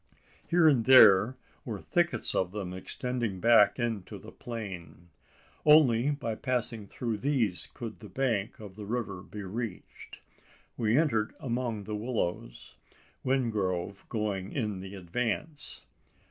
Here and there were thickets of them extending back into the plain. Only by passing through these could the bank of the river be reached. We entered among the willows, Wingrove going in the advance.